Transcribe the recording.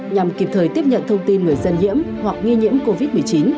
nhằm kịp thời tiếp nhận thông tin người dân nhiễm hoặc nghi nhiễm covid một mươi chín